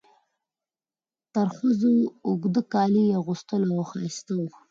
د ترخزو اوږده کالي یې اغوستل او ښایسته وو.